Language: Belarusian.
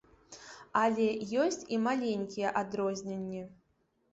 Але ёсць і маленькія адрозненні.